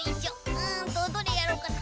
うんとどれやろうかな